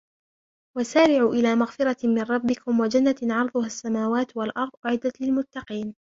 وسارعوا إلى مغفرة من ربكم وجنة عرضها السماوات والأرض أعدت للمتقين